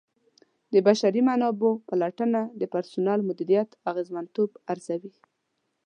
د بشري منابعو پلټنه د پرسونل مدیریت اغیزمنتوب ارزوي.